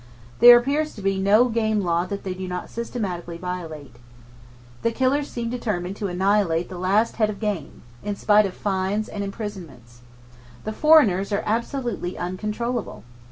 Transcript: There appears to be no game law that they do not systematically violate. The killers seem determined to annihilate the last head of game, in spite of fines and imprisonments. The foreigners are absolutely uncontrollable.